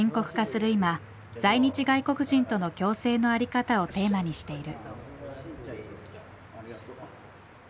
今在日外国人との共生の在り方をテーマにしている。